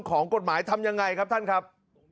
ของกฎหมายทำยังไงครับท่านครับ